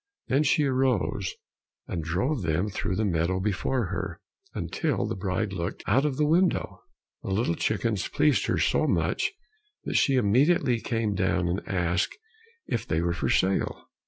Then she arose, and drove them through the meadow before her, until the bride looked out of the window. The little chickens pleased her so much that she immediately came down and asked if they were for sale.